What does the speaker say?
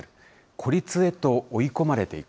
孤立へと追い込まれていく。